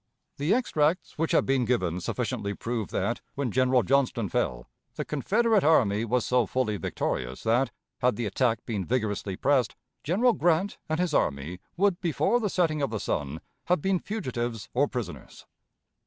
The extracts which have been given sufficiently prove that, when General Johnston fell, the Confederate army was so fully victorious that, had the attack been vigorously pressed, General Grant and his army would before the setting of the sun have been fugitives or prisoners.